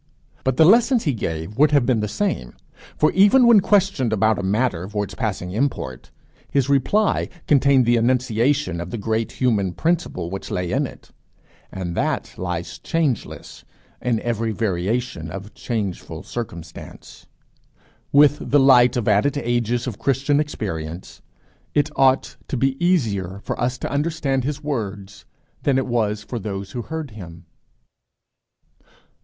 But the lessons he gave would have been the same; for even when questioned about a matter for its passing import, his reply contained the enunciation of the great human principle which lay in it, and that lies changeless in every variation of changeful circumstance. With the light of added ages of Christian experience, it ought to be easier for us to understand his words than it was for those who heard him.